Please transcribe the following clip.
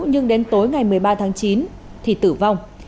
nhưng đến tối ngày một mươi ba tháng chín thì tử vong